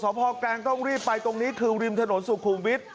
ตามร่วงสองพ่อกลางก็ต้องรีบไปตรงนี้คือริมถนนสุขุมวิช